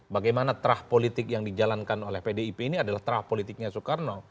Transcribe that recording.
bagaimana terah politik yang dijalankan oleh pdip ini adalah terah politiknya soekarno